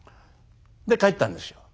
で帰ったんですよ。